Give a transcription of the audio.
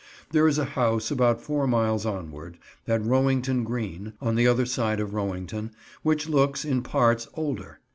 There is a house about four miles onward, at Rowington Green, on the other side of Rowington, which looks, in parts, older.